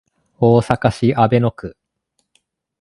大阪市阿倍野区